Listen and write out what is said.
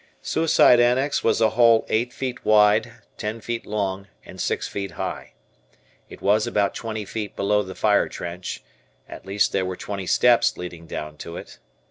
Suicide Annex was a hole eight feet wide, ten feet long, and six feet high. It was about twenty feet below the fire trench; at least there were twenty steps leading down to it.